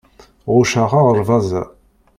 Ɣucceɣ aɣerbaz-a.